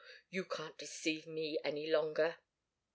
You can't deceive me any longer."